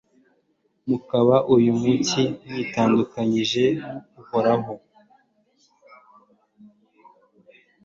mukaba uyu munsi mwitandukanyije n'uhoraho